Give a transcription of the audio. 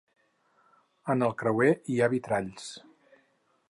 En el creuer hi ha vitralls.